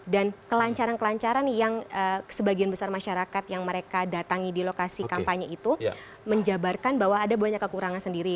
dan kelancaran kelancaran yang sebagian besar masyarakat yang mereka datangi di lokasi kampanye itu menjabarkan bahwa ada banyak kekurangan sendiri